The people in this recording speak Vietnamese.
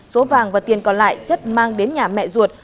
số vàng và tiền còn lại chất mang đến nhà mẹ ruột